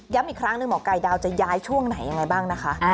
อีกครั้งหนึ่งหมอไก่ดาวจะย้ายช่วงไหนยังไงบ้างนะคะ